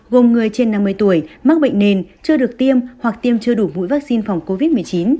gồm người trên năm mươi tuổi mắc bệnh nền chưa được tiêm hoặc tiêm chưa đủ mũi vaccine phòng covid một mươi chín